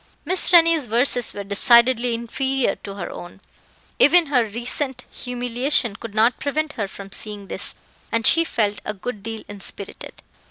Miss Rennie's verses were decidedly inferior to her own; even her recent humiliation could not prevent her from seeing this, and she felt a good deal inspirited.